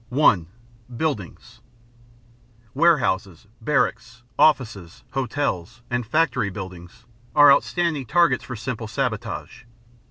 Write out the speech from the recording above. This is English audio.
(1) Buildings Warehouses, barracks, offices, hotels, and factory buildings are outstanding targets for simple sabotage.